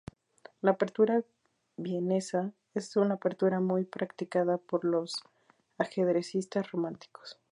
La Apertura Vienesa es una apertura muy practicada por los ajedrecistas románticos.